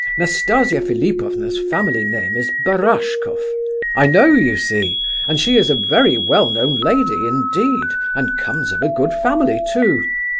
Nastasia Philipovna's family name is Barashkoff—I know, you see—and she is a very well known lady, indeed, and comes of a good family, too.